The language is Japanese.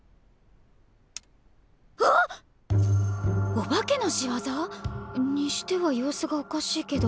お化けのしわざ？にしては様子がおかしいけど。